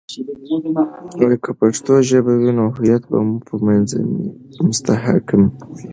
که پښتو ژبه وي، نو هویت به مو په منځ مي مستحکم وي.